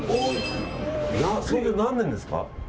創業何年ですか？